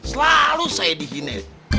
selalu saya dihina